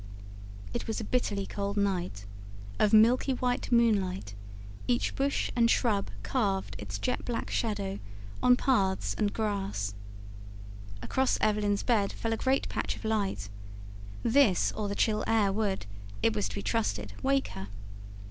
It was a bitterly cold night, of milky white moonlight; each bush and shrub carved its jet black shadow on paths and grass. Across Evelyn's bed fell a great patch of light: this, or the chill air would, it was to be trusted, wake her.